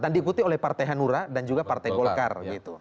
dan diikuti oleh partai hanura dan juga partai golkar